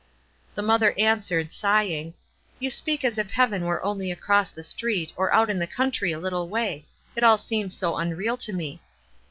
The mother answered, sighing, "You speak as if heaven were only across the street, or out in the country a little way ; it all seems so unreal to me."